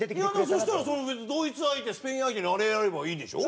そしたらドイツ相手スペイン相手にあれやればいいんでしょ？